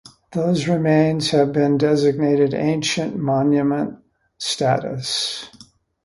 Those remains have been designated Ancient Monument status.